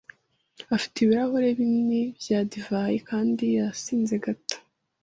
afite ibirahuri binini bya divayi kandi yasinze gato.